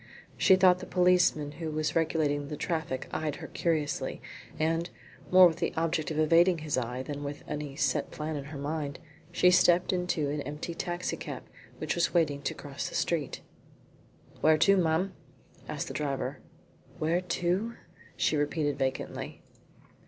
She thought the policeman who was regulating the traffic eyed her curiously, and, more with the object of evading his eye than with any set plan in her mind, she stepped into an empty taxi cab which was waiting to cross the street. "Where to, ma'am?" asked the driver. "Where to?" she repeated vacantly.